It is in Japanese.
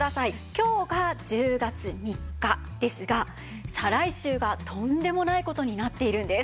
今日が１０月３日ですが再来週がとんでもない事になっているんです。